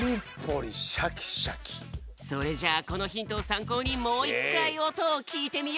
それじゃあこのヒントをさんこうにもう１かいおとをきいてみよう。